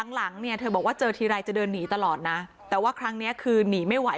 หลังเนี่ยเธอบอกว่าเจอทีไรจะเดินหนีตลอดนะแต่ว่าครั้งนี้คือหนีไม่ไหว